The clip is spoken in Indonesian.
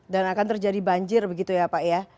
akan terjadi banjir begitu ya pak ya